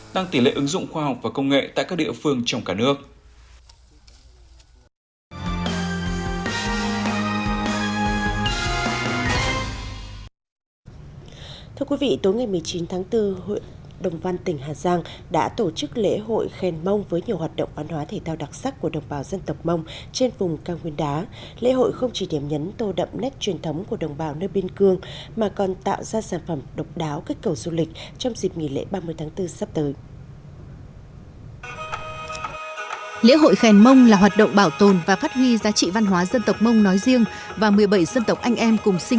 tăng tỉ lệ ứng dụng khoa học và công nghệ tại các địa phương trong cả nước